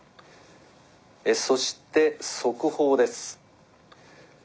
えそして速報です。